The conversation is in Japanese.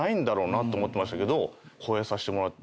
超えさせてもらって。